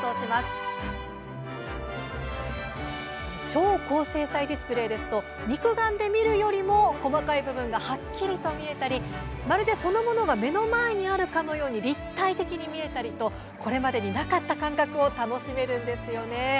超高精細ディスプレーですと肉眼で見るよりも細かい部分がはっきりと見えたりまるで、そのものが目の前にあるかのように立体的に見えたりとこれまでになかった感覚を楽しめるんですよね。